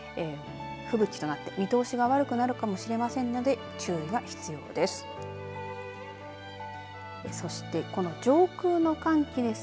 吹雪となって見通しが悪くなるかもしれませんので注意が必要です。